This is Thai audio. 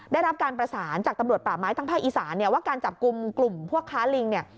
ได้รับการประสานจากตำรวจป่าไม้ทั้งภาคอีสานเนี่ยว่าการจับกลุ่มกลุ่มพวกค้าลิงเนี่ย